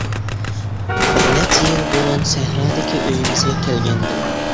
بىر نەچچە يىل بۇرۇن سەھرادىكى ئۆيىمىزگە كەلگەنىدىم.